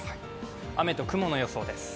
雨と雲の予報です。